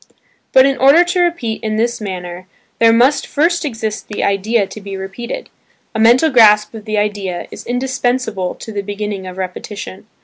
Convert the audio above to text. But in order to repeat in this manner, there must first exist the idea to be repeated. A mental grasp of the idea, is indispensable to the beginning of repetition.